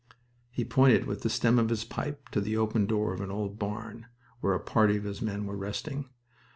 He pointed with the stem of his pipe to the open door of an old barn, where a party of his men were resting.